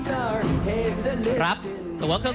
ท่านแรกครับจันทรุ่ม